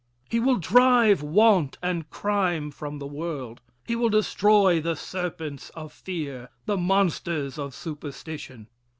He will drive want and crime from the world. He will destroy the serpents of fear, the monsters of superstition.